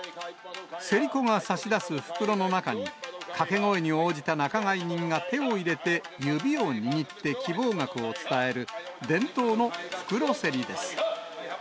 競り子が差し出す袋の中に、掛け声に応じた仲買人が手を入れて、指を握って希望額を伝える、伝統の袋競りです。